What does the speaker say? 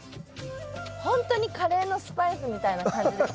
ほんとにカレーのスパイスみたいな感じですね。